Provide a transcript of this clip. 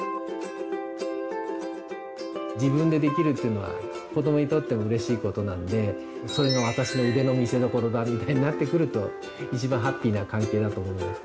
自分でできるっていうのは子どもにとってもうれしいことなので「それがワタシのウデのみせどころだ」みたいになってくると一番ハッピーな関係だと思います。